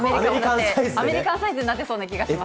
アメリカンサイズになってそうな気がします。